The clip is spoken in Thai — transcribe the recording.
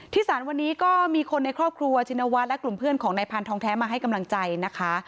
ศาลวันนี้ก็มีคนในครอบครัวชินวัฒน์และกลุ่มเพื่อนของนายพานทองแท้มาให้กำลังใจนะคะ